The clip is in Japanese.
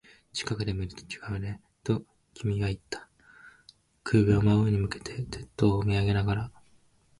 近くで見ると違うね、と君は言った。首を真上に向けて、鉄塔を見上げながら。